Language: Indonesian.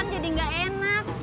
kan jadi gak enak